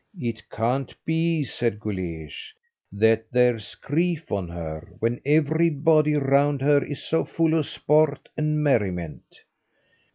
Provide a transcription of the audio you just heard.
"It can't be," said Guleesh, "that there's grief on her, when everybody round her is so full of sport and merriment."